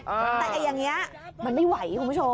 แต่อย่างนี้มันไม่ไหวคุณผู้ชม